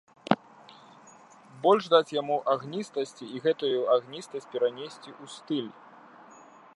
Больш даць яму агністасці і гэтую агністасць перанесці ў стыль.